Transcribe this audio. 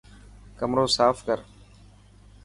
ڪمرو ساف ڪر.